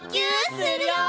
するよ！